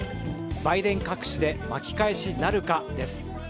バイデン隠しで巻き返しなるかです。